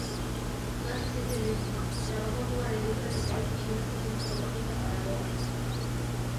Más recientemente, trabajó como arreglista de flores en una sesión fotográfica para Vogue.